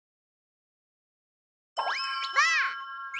ばあっ！